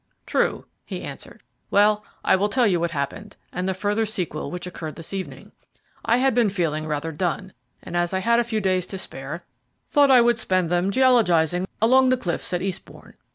"True," he answered. "Well, I will tell you what happened, and the further sequel which occurred this evening. I had been feeling rather done, and as I had a few days to spare, thought I would spend them geologizing along the cliffs at Eastbourne.